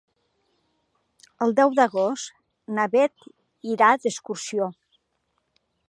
El deu d'agost na Bet irà d'excursió.